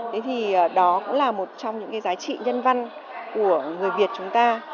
thế thì đó cũng là một trong những cái giá trị nhân văn của người việt chúng ta